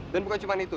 dan bukan cuma itu